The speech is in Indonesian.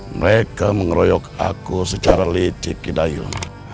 mereka mengeroyok aku secara licik kidayun